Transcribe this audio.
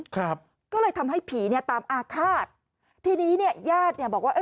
ครับก็เลยทำให้ผีเนี้ยตามอาฆาตทีนี้เนี่ยญาติเนี้ยบอกว่าเอ้